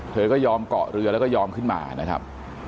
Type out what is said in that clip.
เธอก็ยอมเกาะเรือแล้วก็ยอมขึ้นมานะครับ